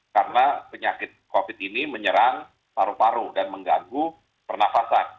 karena penyakit covid ini menyerang paru paru dan mengganggu pernafasan